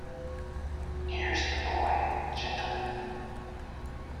Here's the boy, gentlemen!